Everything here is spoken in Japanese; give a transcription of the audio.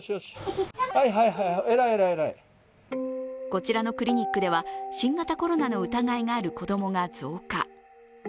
こちらのクリニックでは、新型コロナの疑いがある子供が増加。